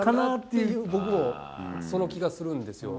僕もその気がするんですよ。